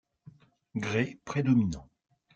Grès prédominant.